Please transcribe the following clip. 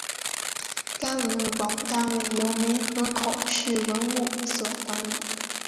该文物保护单位由梅河口市文物所管理。